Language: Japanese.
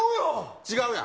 違うやん。